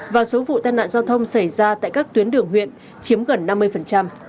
và số vụ tai nạn giao thông xảy ra tại các tuyến đường huyện chiếm gần năm mươi